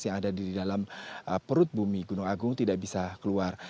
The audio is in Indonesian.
yang ada di dalam perut bumi gunung agung tidak bisa keluar